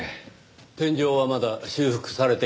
天井はまだ修復されていませんねぇ。